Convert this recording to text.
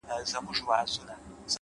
زړه مي له رباب سره ياري کوي ـ